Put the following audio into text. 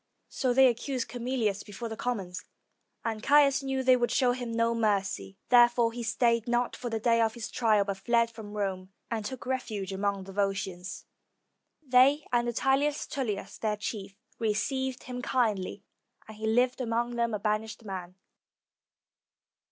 So they accused Camilius before the commons, and Caius knew that they would show him no mercy. There fore he stayed not for the day of his trial, but fled from Rome, and took refuge among the Volscians. They and Attius Tullius, their chief, received him kindly, and he lived among them a banished man.